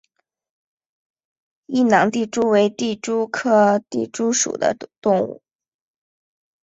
异囊地蛛为地蛛科地蛛属的动物。